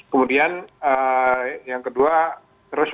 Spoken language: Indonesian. kemudian yang kedua terus memantau perkembangan informasi